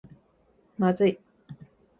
まずい